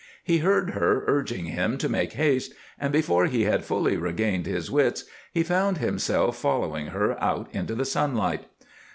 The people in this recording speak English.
He heard her urging him to make haste, and before he had fully regained his wits he found himself following her out into the sunlight.